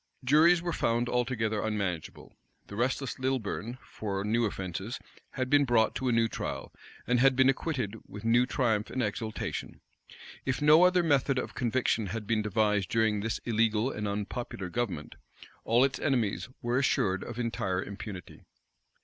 Juries were found altogether unmanageable. The restless Lilburn, for new offences, had been brought to a new trial; and had been acquitted with new triumph and exultation. If no other method of conviction had been devised during this illegal and unpopular government, all its enemies were assured of entire impunity.